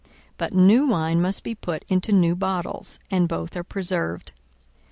42:005:038 But new wine must be put into new bottles; and both are preserved.